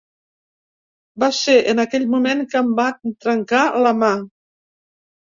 Va ser en aquell moment que em van trencar la mà.